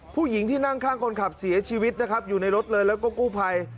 ผู้หญิงที่นั่งข้างคนขับเสียชีวิตนะครับอยู่ในรถเลยแล้วก็กู้ภัย